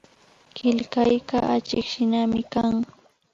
Killkayka achikshinami kan